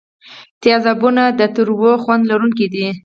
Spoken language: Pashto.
تیزابونه د تریو خوند لرونکي دي.